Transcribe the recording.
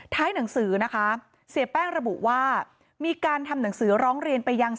หนังสือนะคะเสียแป้งระบุว่ามีการทำหนังสือร้องเรียนไปยัง